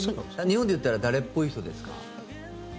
日本で言ったら誰っぽい人ですか？